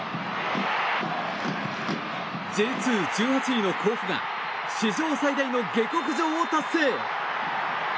Ｊ２、１８位の甲府が史上最大の下克上を達成！